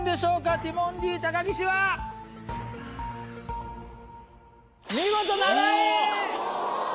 ティモンディ・高岸は⁉見事。